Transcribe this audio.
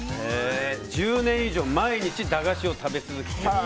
１０年以上毎日駄菓子を食べ続けていると。